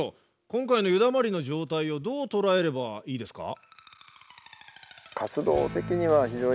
今回の湯だまりの状態をどう捉えればいいですか？